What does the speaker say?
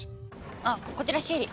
あこちらシエリ。